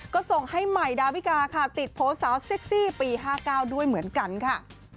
ก็ส่งให้ใหม่ดาวิกาค่ะติดโพลสาวเซ็กซี่ปี๕๙ด้วยเหมือนกันค่ะ